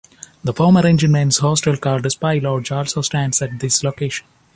The former enginemens' hostel called 'Spey Lodge' also stands at this location.